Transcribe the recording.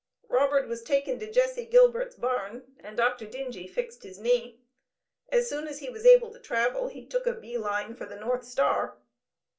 Robert was taken to Jesse Gilbert's barn, and Dr. Dingee fixed his knee. As soon as he was able to travel, he took a "bee line" for the North star.